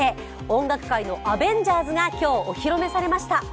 音楽界のアベンジャーズが今日お披露目されました。